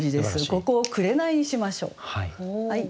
ここを「くれない」にしましょう。